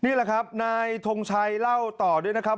นี่แหละครับนายทงชัยเล่าต่อด้วยนะครับ